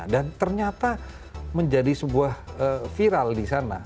dan ternyata menjadi sebuah viral di sana